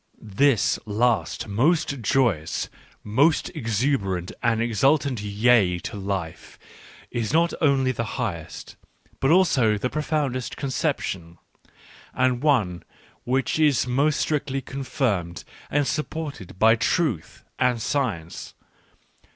... This last, most joyous, most exuberant and exultant yea to life, is not only the highest, but also the profoundest conception, and one which is most strictly confirmed and supported by truth and science.